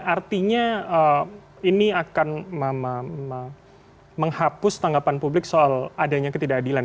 artinya ini akan menghapus tanggapan publik soal adanya ketidakadilan